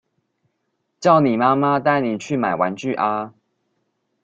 叫你媽媽帶你去買玩具啊